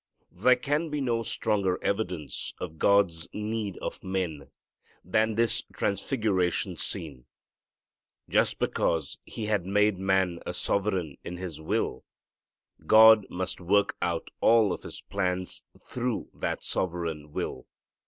There can be no stronger evidence of God's need of men than this transfiguration scene. Just because He had made man a sovereign in his will, God must work out all of His plans through that sovereign will.